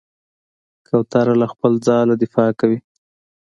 کوتره له خپل ځاله دفاع کوي.